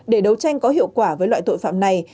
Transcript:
để đấu tranh có hiệu quả với loại tội phạm này